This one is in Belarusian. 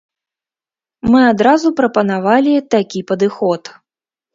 Мы адразу прапанавалі такі падыход.